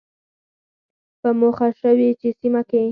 په موخه شوې چې سیمه کې